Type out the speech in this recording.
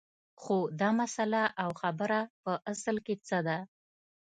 خو دا مسله او خبره په اصل کې څه ده